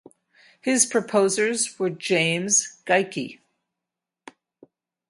His proposers were James Geikie.